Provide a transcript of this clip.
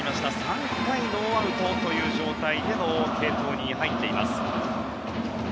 ３回ノーアウトという状態での継投に入っています。